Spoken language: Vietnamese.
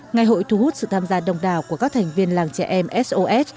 ngày hội thu hút sự tham gia đồng đào của các thành viên làng trẻ em s o s